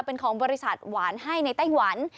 เป็นของบริษัทหวานให้ในไต้หวัน